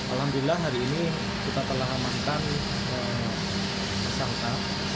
alhamdulillah hari ini kita telah amankan tersangka